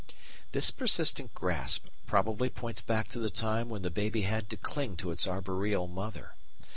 This persistent grasp probably points back to the time when the baby had to cling to its arboreal mother.